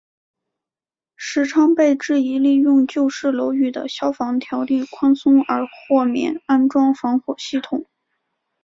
时昌被质疑利用旧式楼宇的消防条例宽松而豁免安装防火系统。